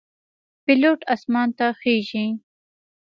پیلوټ آسمان ته خیژي.